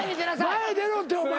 前出ろってお前。